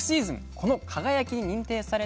この「輝」に認定された